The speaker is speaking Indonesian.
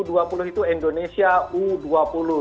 u dua puluh itu indonesia u dua puluh